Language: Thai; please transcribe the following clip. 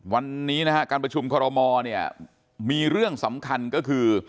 วันนี้นะฮะการประชุมคอรมอลเนี่ยมีเรื่องสำคัญก็คือ